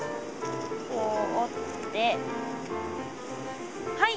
こう折ってはい。